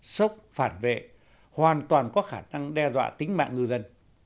sốc phản vệ hoàn toàn có khả năng đe dọa tính mạng ngư dân